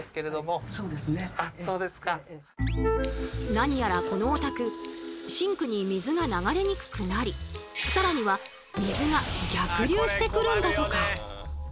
何やらこのお宅シンクに水が流れにくくなり更には水が逆流してくるんだとか。